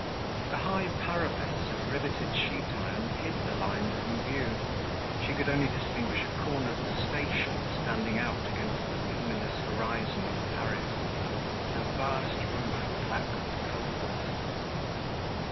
The high parapets of riveted sheet iron hid the line from view; she could only distinguish a corner of the station standing out against the luminous horizon of Paris, with a vast roof black with coal dust.